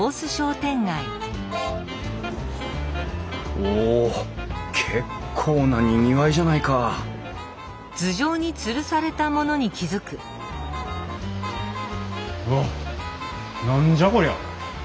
おお結構なにぎわいじゃないかうわっ何じゃこりゃ。